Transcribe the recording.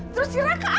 terus si raka apa dong